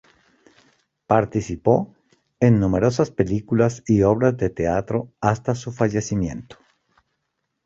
Participó en numerosas películas y obras de teatro hasta su fallecimiento.